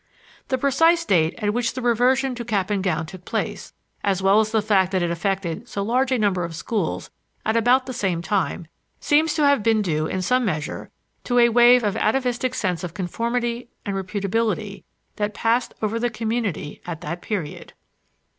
The precise date at which the reversion to cap and gown took place, as well as the fact that it affected so large a number of schools at about the same time, seems to have been due in some measure to a wave of atavistic sense of conformity and reputability that passed over the community at that period.